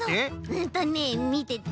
うんとねみてて。